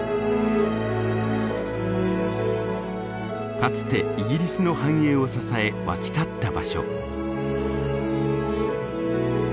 かつてイギリスの繁栄を支え沸き立った場所。